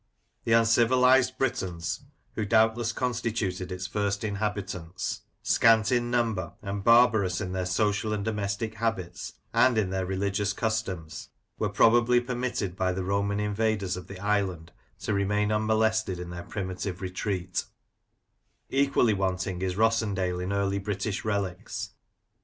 The uncivilized Britons, who doubtless constituted its first inhabitants, scant in number, and barbarous in their social and domestic habits and in their religious customs, were probably permitted by the Roman invaders of the island to remain unmolested in their primitive retreat Equally wanting is Rossendale in early British relics.